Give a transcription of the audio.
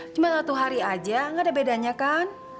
cuma satu hari aja nggak ada bedanya kan